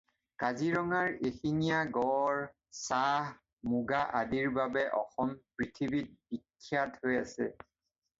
কাজিৰঙাৰ এশিঙীয়া গঁড়, চাহ, মুগা আদিৰ বাবে অসম পৃথিৱীত বিখ্যাত হৈ আছে।